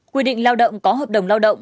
quy định lao động có hợp đồng lao động